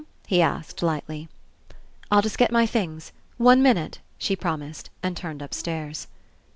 he asked lightly. "I'll just get my things. One minute," she promised and turned upstairs.